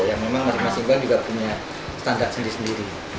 yang memang masing masing bank juga punya standar sendiri sendiri